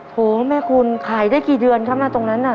โหแม่คุณขายได้กี่เดือนครับมาตรงนั้นน่ะ